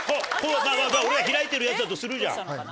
・俺が開いてるヤツだとするじゃん。